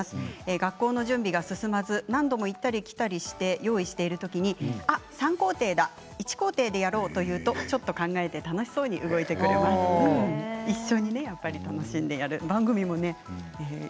学校の準備が進まず何度も行ったり来たりして準備をしてるときに３工程だ、１工程でやろうと言うとちょっと考えて楽しそうに動いてくれますということです。